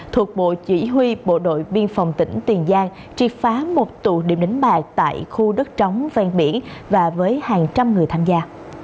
thuộc bộ chỉ huy bộ đội biên phòng tỉnh tiền giang triệt phá một tụ điểm đánh bài tại khu đất trống ven biển và với hàng trăm người tham gia